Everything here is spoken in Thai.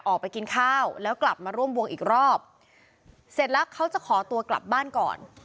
ออกไปกินข้าวแล้วกลับมาร่วมวงอีกรอบเสร็จแล้วเขาจะขอตัวกลับบ้านก่อน